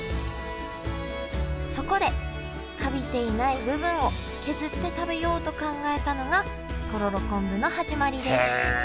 そこでカビていない部分を削って食べようと考えたのがとろろ昆布の始まりです